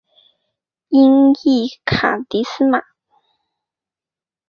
音译卡蒂斯玛。